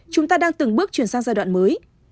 chúng ta đang từng bước chuyển sang giai đoạn mới